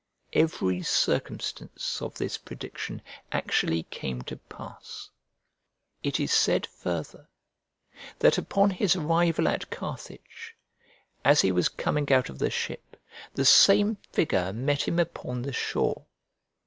Every circumstance of this prediction actually came to pass. It is said farther that upon his arrival at Carthage, as he was coming out of the ship, the same figure met him upon the shore.